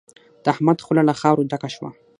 د احمد خوله له خاورو ډکه شوه.